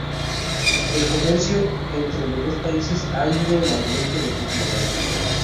El comercio entre los dos países ha ido en aumento en los últimos años.